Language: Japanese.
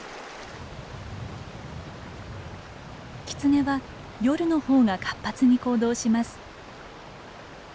キツネは夜のほうが活発に行動します。